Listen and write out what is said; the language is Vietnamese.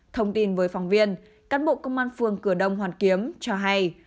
thông tin với phóng viên cán bộ công an phường cửa đông hoàn kiếm cho hay